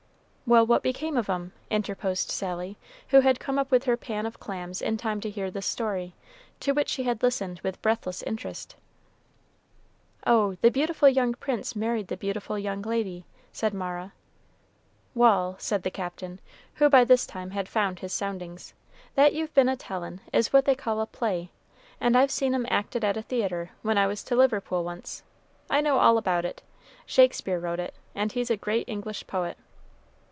"Well, what became of 'em?" interposed Sally, who had come up with her pan of clams in time to hear this story, to which she had listened with breathless interest. "Oh, the beautiful young prince married the beautiful young lady," said Mara. "Wal'," said the Captain, who by this time had found his soundings; "that you've been a tellin' is what they call a play, and I've seen 'em act it at a theatre, when I was to Liverpool once. I know all about it. Shakespeare wrote it, and he's a great English poet."